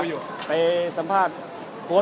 ไม่ไปสัมภาษณ์แล้วเนี่ย